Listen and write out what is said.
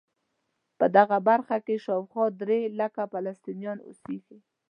په دغه برخه کې شاوخوا درې لکه فلسطینیان اوسېږي.